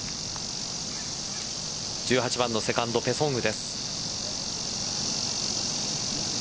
１８番のセカンドペ・ソンウです。